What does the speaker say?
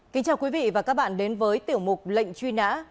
kính chào quý vị và các bạn đến với tiểu mục lệnh truy nã